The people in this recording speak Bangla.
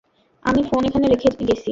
আমি ফোন এখানে রেখে গেছি।